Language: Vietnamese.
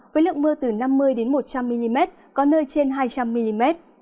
với lượng mưa từ năm mươi một trăm linh mm có nơi trên hai trăm linh mm